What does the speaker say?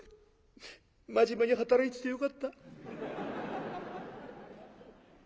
真面目に働いててよかった」。